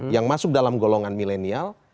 yang masuk dalam golongan milenial